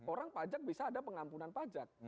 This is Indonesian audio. orang pajak bisa ada pengampunan pajak